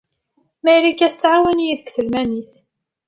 Marika tettɛawan-iyi deg talmanit.